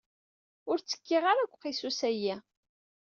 Ur ttekkiɣ ara deg uqisus-ayi.